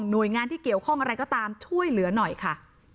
หน่วยงานที่เกี่ยวข้องอะไรก็ตามช่วยเหลือหน่อยค่ะ